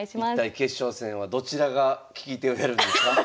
一体決勝戦はどちらが聞き手をやるんですか？